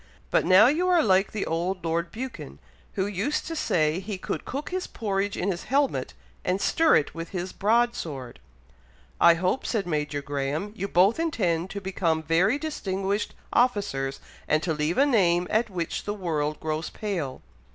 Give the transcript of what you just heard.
"But now you are like the old Lord Buchan, who used to say he could cook his porridge in his helmet, and stir it with his broad sword." "I hope," said Major Graham, "you both intend to become very distinguished officers, and to leave a name at which the world grows pale."